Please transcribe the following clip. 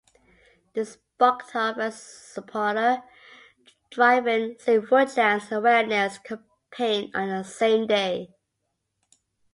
This sparked off a supporter-driven "Save Woodlands" awareness campaign on the same day.